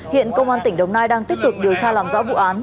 hiện công an tỉnh đồng nai đang tiếp tục điều tra làm rõ vụ án